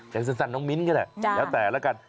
สั้นน้องมิ้นก็ได้แล้วแต่ละกัน